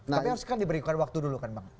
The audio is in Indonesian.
tapi harus kan diberikan waktu dulu kan bang